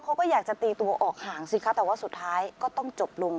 เขาก็อยากจะตีตัวออกห่างสิคะแต่ว่าสุดท้ายก็ต้องจบลง